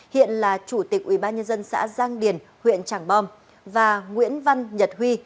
hiện là chủ tịch ubnd xã giang điển huyện tràng bom và nguyễn văn nhật huy